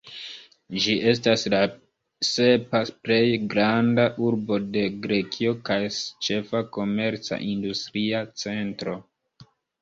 Ĝi estas la sepa plej granda urbo de Grekio kaj ĉefa komerca-industria centro.